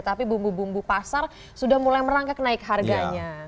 tapi bumbu bumbu pasar sudah mulai merangkak naik harganya